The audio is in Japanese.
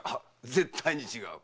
絶対に違う。